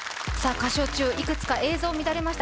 歌唱中いくつか映像乱れました。